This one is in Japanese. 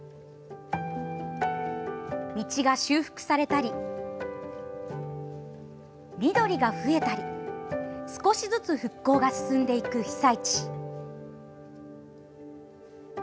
道が修復されたり、緑が増えたり少しずつ復興が進んでいく被災地。